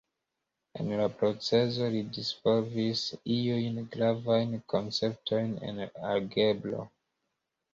En la procezo, li disvolvis iujn gravajn konceptojn en algebro.